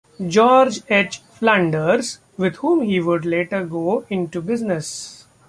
George H. Flanders, with whom he would later go into business.